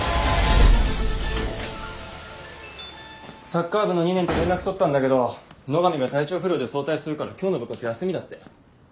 サッカー部の２年と連絡取ったんだけど野上が体調不良で早退するから今日の部活休みだって。